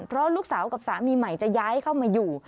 เพราะลูกสาวกับสามีใหม่จะย้ายเข้ามาอยู่